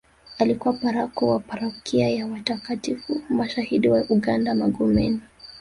Alikuwa paroko wa parokia ya watakatifu mashahidi wa uganda Magomeni